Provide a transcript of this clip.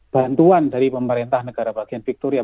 bantuan dari pemerintah negara bagian victoria